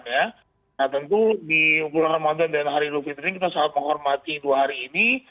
nah tentu di bulan ramadan dan hari idul fitri kita sangat menghormati dua hari ini